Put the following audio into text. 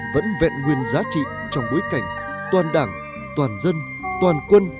vẫn vẹn nguyên giá trị trong bối cảnh toàn đảng toàn dân toàn quân